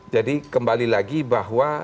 jadi kembali lagi bahwa